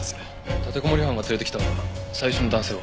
立てこもり犯が連れてきた最初の男性は？